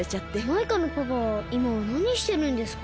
マイカのパパはいまはなにしてるんですか？